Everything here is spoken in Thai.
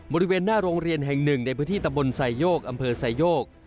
บริเวณหน้าโรงเรียนแห่งหนึ่งในพื้นที่ตำบลไซโยกอำเภอไซโยก